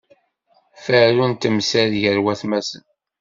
Ferru n temsal gar watmaten.